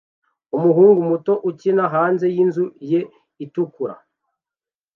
Umuhungu muto ukina hanze yinzu ye itukura